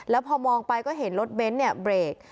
แล้วพอมองไปก็เห็นรถเบรค